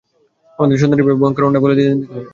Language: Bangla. আমার সন্তানদের এভাবে ভয়ঙ্কর অন্যায় ভাবে বলিদান দিতে হলো।